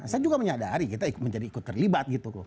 saya juga menyadari kita ikut terlibat gitu